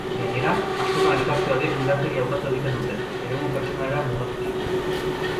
Gainera, askotan elkarte horiek indarkeria ukatu egiten dute, eremu pertsonalera mugatuz.